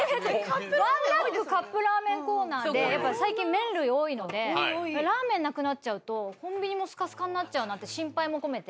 ワンラックカップラーメンコーナーで最近麺類多いのでラーメンなくなっちゃうとコンビニもスカスカになっちゃうなって心配も込めて。